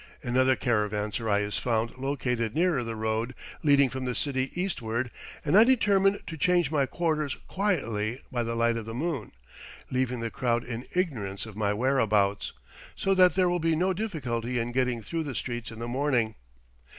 Another caravanserai is found located nearer the road leading from the city eastward, and I determine to change my quarters quietly by the light of the moon, leaving the crowd in ignorance of my whereabouts, so that there will be no difficulty in getting through the streets in the morning.